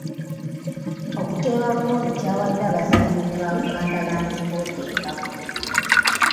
Okuteeba ggoolo kyawadde abazannyi ba Buganda Land Board embavu.